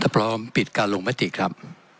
พร้อมปิดการลงมติครับ